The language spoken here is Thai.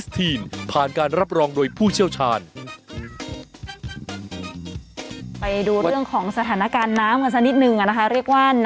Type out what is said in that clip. ธรรมเทพฯหรอไม่รู้